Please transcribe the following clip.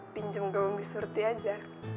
pinjam gaung diserti aja